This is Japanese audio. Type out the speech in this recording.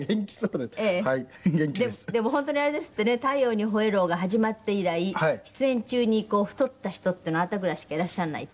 でも本当にあれですってね『太陽にほえろ！』が始まって以来出演中に太った人っていうのはあなたぐらいしかいらっしゃらないって。